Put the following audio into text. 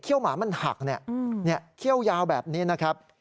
เข้าหมามันหักเนี่ยเข้ายาวแบบนี้นะครับ